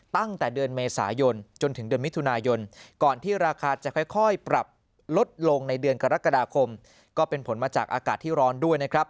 ตั้งแต่เดือนเมษายนจนถึงเดือนมิถุนายนก่อนที่ราคาจะค่อยปรับลดลงในเดือนกรกฎาคมก็เป็นผลมาจากอากาศที่ร้อนด้วยนะครับ